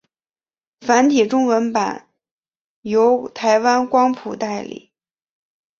繁体中文版由台湾光谱代理。